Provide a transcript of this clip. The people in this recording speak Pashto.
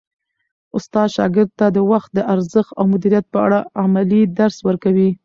استاد شاګرد ته د وخت د ارزښت او مدیریت په اړه عملي درس ورکوي.